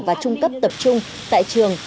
và trung cấp tập trung tại trường